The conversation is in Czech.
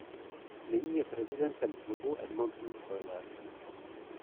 Nyní je prezidentem klubu Edmonton Oilers.